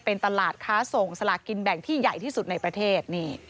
เป็นตลาดค้าส่งสลากกินแบ่งที่ใหญ่ที่สุดในประเทศ